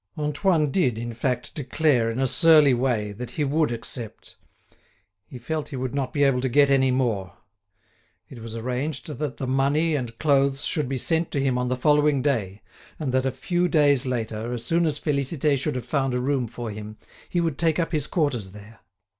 Antoine did, in fact, declare, in a surly way, that he would accept. He felt he would not be able to get any more. It was arranged that the money and clothes should be sent to him on the following day, and that a few days later, as soon as Félicité should have found a room for him, he would take up his quarters there.